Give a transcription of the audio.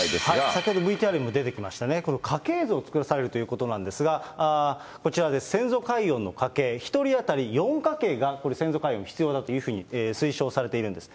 先ほどＶＴＲにも出てきましたね、家系図を作らされるということなんですが、こちらです、先祖解怨の家系、１人当たり４家系がこれ、先祖解怨に必要だと推奨されているんです。